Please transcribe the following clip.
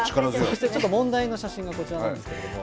ちょっと問題の写真がこちらなんですけれども。